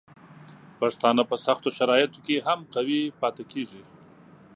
پښتانه په سختو شرایطو کې هم قوي پاتې کیږي.